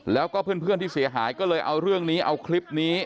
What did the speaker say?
แล้วก็เพื่อนที่เสียหายก็เลยเอาเรื่องนี้เอาคลิปนี้